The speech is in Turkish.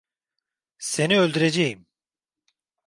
Seni öldüreceğim!